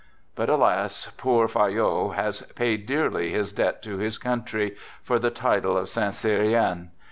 But, alas, poor Fayolle has paid dearly his debt to his country, for the title of Saint Cyrien